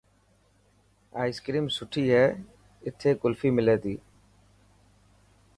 ائس ڪريم سٺي هي.اٿي ڪلفي ملي تي.